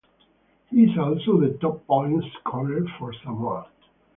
He is also the top point scorer for Samoa.